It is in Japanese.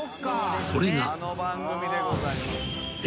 それが］